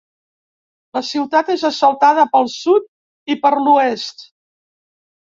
La ciutat és assaltada pel sud i per l'oest.